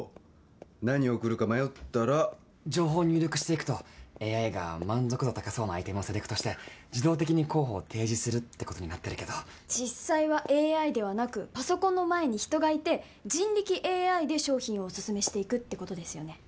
何贈るか迷ったら情報を入力していくとＡＩが満足度高そうなアイテムをセレクトして自動的に候補を提示するってことになってるけど実際はＡＩではなくパソコンの前に人がいて人力ＡＩで商品をオススメしていくってことですよね？